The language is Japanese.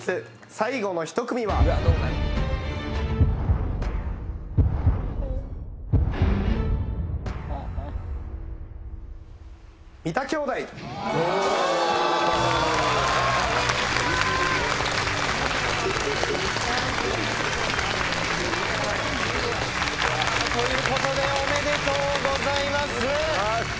最後の１組は三田兄弟ということでおめでとうございます